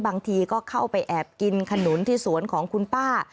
บางทีก็เข้าไปแอบกินขนุนที่สวนของคุณป้า